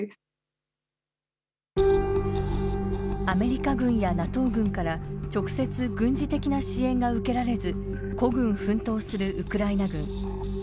アメリカ軍やＮＡＴＯ軍から直接、軍事的な支援が受けられず孤軍奮闘するウクライナ軍。